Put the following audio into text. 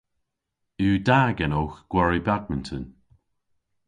Yw da genowgh gwari badminton?